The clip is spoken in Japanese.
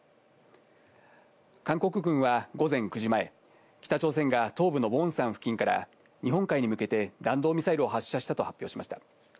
韓国軍は午前９時前、北朝鮮が東部のウォンサン付近から日本海に向けて弾道ミサイルを発射したと発表しました。